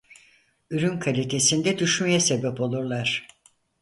Ürün kalitesinde düşmeye sebep olurlar.